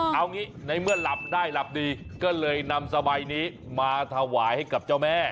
เอางี้ในเมื่อหลับได้หลับดีก็เลยนำสบายนี้มาถวายให้กับเจ้าแม่